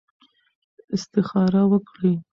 استخاره وکړئ.